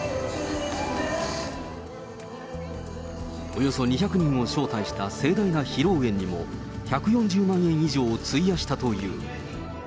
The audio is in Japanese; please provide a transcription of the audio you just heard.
およそ２００人を招待した盛大な披露宴にも１４０万円以上を費やしたという。